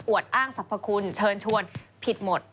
อ้างสรรพคุณเชิญชวนผิดหมด